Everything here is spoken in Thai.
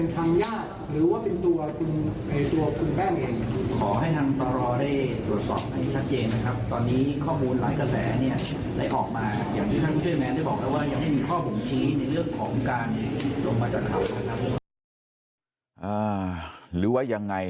ตอนนี้ข้อมูลหลายกระแสเนี่ย